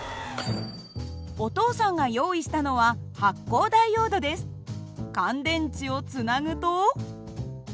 お父さんが用意したのは乾電池をつなぐと。